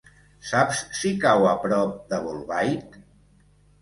Saps si cau a prop de Bolbait?